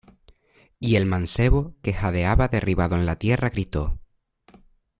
y el mancebo, que jadeaba derribado en tierra , gritó: